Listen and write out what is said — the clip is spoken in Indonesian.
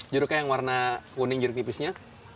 jeruknya yang warna kuning jeruk nipisnya